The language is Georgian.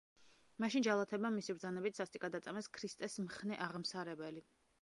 მაშინ ჯალათებმა მისი ბრძანებით სასტიკად აწამეს ქრისტეს მხნე აღმსარებელი.